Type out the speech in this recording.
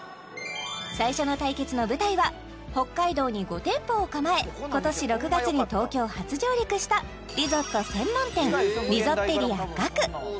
最初の対決の舞台は北海道に５店舗を構え今年６月に東京初上陸したリゾット専門店Ｒｉｓｏｔｔｅｒｉａ．ＧＡＫＵ